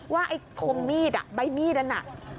ว่าไอ้โคมมีดใบมีดนั้น